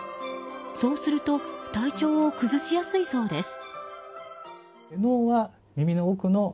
そうすると体調を崩しやすいそうです。